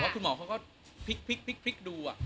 คุณหมอก็พลิกดู